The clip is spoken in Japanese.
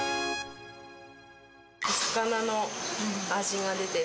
魚の味が出てる。